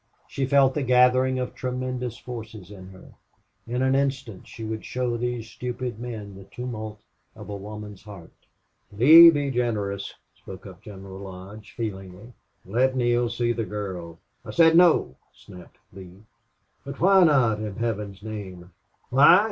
She felt the gathering of tremendous forces in her; in an instant she would show these stupid men the tumult of a woman's heart. "Lee, be generous," spoke up General Lodge, feelingly. "Let Neale see the girl." "I said no!" snapped Lee. "But why not, in Heaven's name?" "Why?